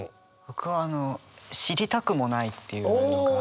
僕はあの「知りたくもない」っていうのが。